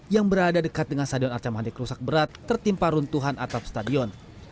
yang berada dekat dengan stadion arca mandek rusak berat tertimpa runtuhan atap stadion